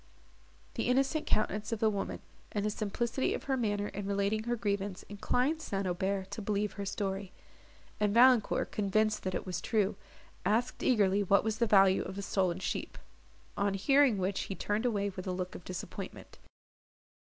The innocent countenance of the woman, and the simplicity of her manner in relating her grievance, inclined St. Aubert to believe her story; and Valancourt, convinced that it was true, asked eagerly what was the value of the stolen sheep; on hearing which he turned away with a look of disappointment.